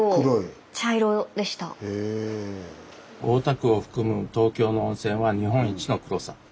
大田区を含む東京の温泉は日本一の黒さ。